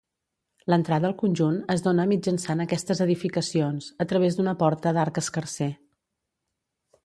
L'entrada al conjunt es dóna mitjançant aquestes edificacions, a través d'una porta d'arc escarser.